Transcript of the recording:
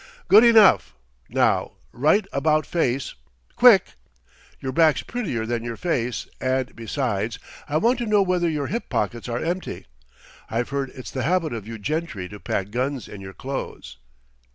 "Good enough. Now right about face quick! Your back's prettier than your face, and besides, I want to know whether your hip pockets are empty. I've heard it's the habit of you gentry to pack guns in your clothes....